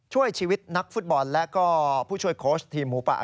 ช่วยชีวิตนักฟุตบอลและก็ผู้ช่วยโค้ชทีมหมูป่า